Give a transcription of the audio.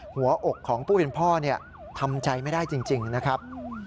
หัวอกของผู้เป็นพ่อทำใจไม่ได้จริงนะครับ